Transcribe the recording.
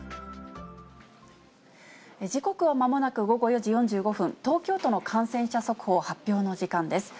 時刻はまもなく午後４時４５分、東京都の感染者速報発表の時間です。